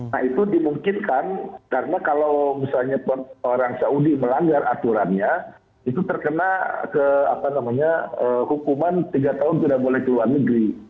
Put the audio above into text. nah itu dimungkinkan karena kalau misalnya orang saudi melanggar aturannya itu terkena ke apa namanya hukuman tiga tahun tidak boleh keluar negeri